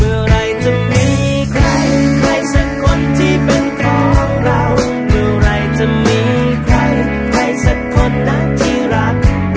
เมื่อไหร่จะมีใครใครสักคนที่เป็นของเรา